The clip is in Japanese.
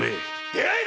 出会え！